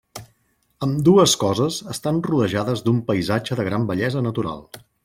Ambdues coses estan rodejades d'un paisatge de gran bellesa natural.